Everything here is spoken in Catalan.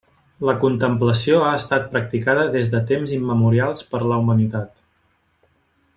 La contemplació ha estat practicada des de temps immemorials per la humanitat.